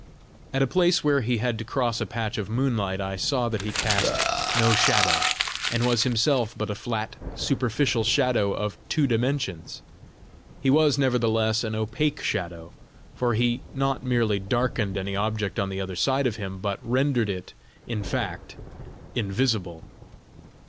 At a place where he had to cross a patch of moonlight, I saw that he cast no shadow, and was himself but a flat superficial shadow, of two dimensions. He was, nevertheless, an opaque shadow, for he not merely darkened any object on the other side of him, but rendered it, in fact, invisible.